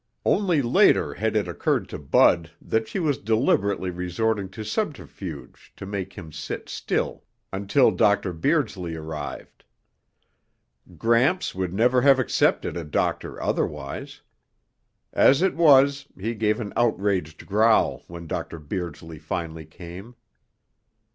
Only later had it occurred to Bud that she was deliberately resorting to subterfuge to make him sit still until Dr. Beardsley arrived. Gramps would never have accepted a doctor otherwise. As it was, he gave an outraged growl when Dr. Beardsley finally came.